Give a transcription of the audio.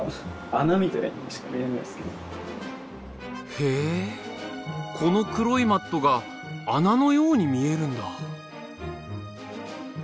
へえこの黒いマットが穴のように見えるんだ。